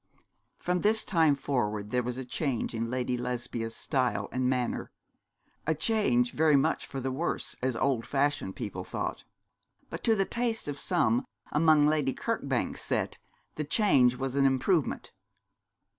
From this time forward there was a change in Lady Lesbia's style and manner a change very much for the worse, as old fashioned people thought; but to the taste of some among Lady Kirkbank's set, the change was an improvement.